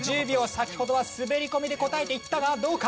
先ほどは滑り込みで答えていったがどうか？